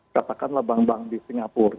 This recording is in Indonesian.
katakanlah bank bank di singapura